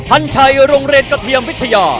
พันชัยโรงเรียนกระเทียมวิทยา